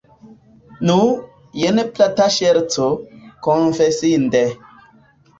Nu, jen plata ŝerco, konfesinde.